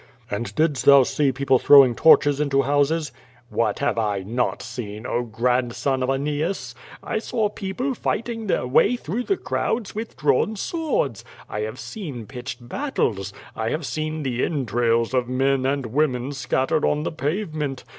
"And didst thou see people throwing torches into houses?" "WTiat have I not seen, oh, grandson of Aeneas? I saw l>cople fighting their way through the crowds with drawn swords. I have seen pitched battles. I have seen the en trails of men and women scattered on tlie pavement.